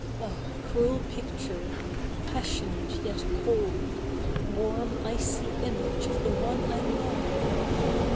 Oh ! cruel picture ! passionate yet cold, Warm icy image of the one I love